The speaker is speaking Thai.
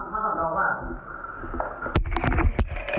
เก่งมาก